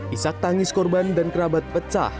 isak tangis korban dan kerabat pecah